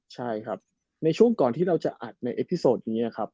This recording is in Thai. ใช่ครับในช่วงก่อนที่เราจะอัดในเอฟพิโซดอย่างนี้ครับ